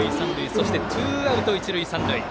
そして、ツーアウト、一塁三塁。